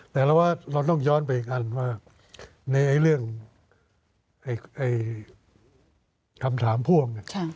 แต่เราว่าเราต้องย้อนไปกันว่าในเรื่องคำถามพ่วง